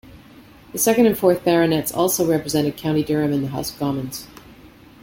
The second and fourth Baronets also represented County Durham in the House of Commons.